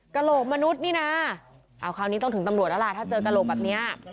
กระโหลกมนุษย์นี่นะเอาคราวนี้ต้องถึงตำรวจแล้วล่ะถ้าเจอกระโหลกแบบนี้